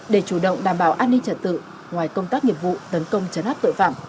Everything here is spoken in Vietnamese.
để chủ động đảm bảo an ninh trật tự ngoài công tác nghiệp vụ tấn công chấn áp tội phạm